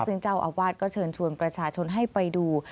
ซึ่งเจ้าอาวาสก็เชิญชวนประชาชนให้ไปดู